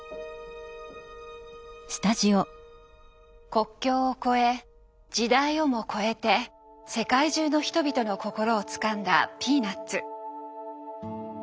国境を超え時代をも超えて世界中の人々の心をつかんだ「ピーナッツ」。